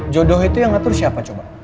jodoh itu yang ngatur siapa coba